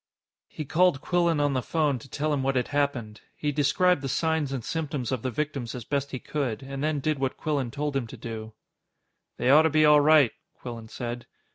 He called Quillan on the phone to tell him what had happened. He described the signs and symptoms of the victims as best he could, and then did what Quillan told him to do. "They ought to be all right," Quillan said.